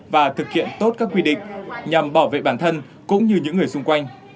và thực hiện tốt các quy định nhằm bảo vệ bản thân cũng như những người xung quanh